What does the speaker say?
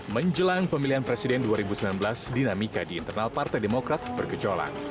menjelang pemilihan presiden dua ribu sembilan belas dinamika di internal partai demokrat bergecolak